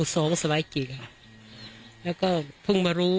อุ่นสองค่ะ